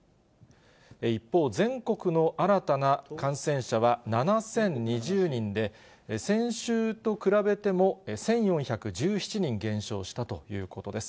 一方、全国の新たな感染者は７０２０人で、先週と比べても１４１７人減少したということです。